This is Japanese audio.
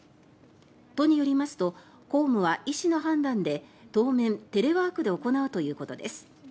都によりますと公務は医師の判断で当面、テレワークで行うということです。